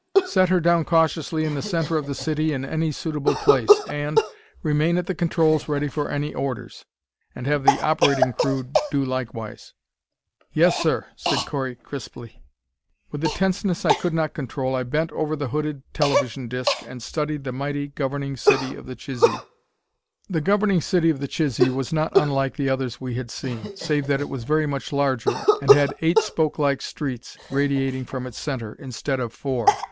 Set her down cautiously in the center of the city in any suitable place. And remain at the controls ready for any orders, and have the operating room crew do likewise." "Yes, sir," said Correy crisply. With a tenseness I could not control, I bent over the hooded television disc and studied the mighty governing city of the Chisee. The governing city of the Chisee was not unlike the others we had seen, save that it was very much larger, and had eight spoke like streets radiating from its center, instead of four.